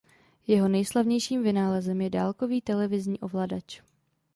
Jeho nejslavnějším vynálezem je dálkový televizní ovladač.